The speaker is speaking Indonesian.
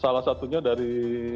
salah satunya dari